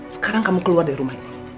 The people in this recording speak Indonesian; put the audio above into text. sekarang kamu keluar dari rumah ini